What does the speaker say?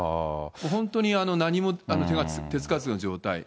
本当に何も手付かずの状態。